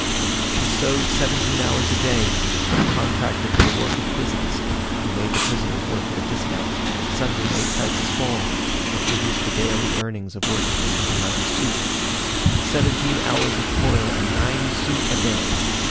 She sewed seventeen hours a day; but a contractor for the work of prisons, who made the prisoners work at a discount, suddenly made prices fall, which reduced the daily earnings of working women to nine sous. Seventeen hours of toil, and nine sous a day!